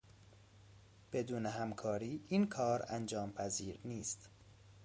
بدون همکاری این کار انجامپذیر نیست.